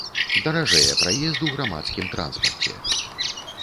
Даражэе праезд у грамадскім транспарце.